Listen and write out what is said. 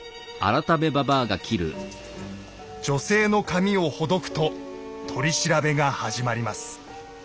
女性の髪をほどくと取り調べが始まります。